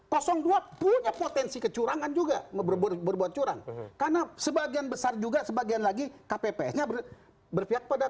kalau potensi kecurangan saya katakan potensi kecurangan satu bisa punya potensi karena sebagian kpps mungkin tidak